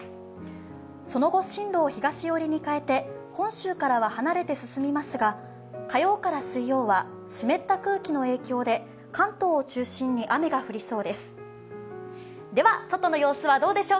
その後、進路を東寄りに変えて本州からは離れて進みますが火曜から水曜は湿った空気の影響で関東を中心に雨が降りそうです。